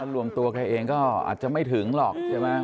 รวมตัวแกเองก็อาจจะไม่ถึงหรอกใช่ไหม